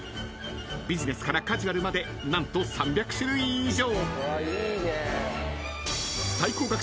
［ビジネスからカジュアルまで何と３００種類以上］